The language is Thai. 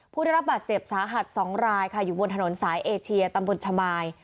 ผู้ได้รับบาดเจ็บสาหัส๒รายค่ะอยู่บนถนนสายเอเชียตำบลชมาย